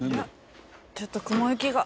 ちょっと雲行きが。